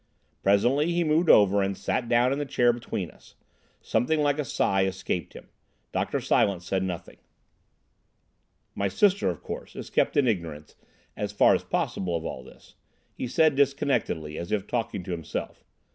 Presently he moved over and sat down in the chair between us. Something like a sigh escaped him. Dr. Silence said nothing. "My sister, of course, is kept in ignorance, as far as possible, of all this," he said disconnectedly, and as if talking to himself.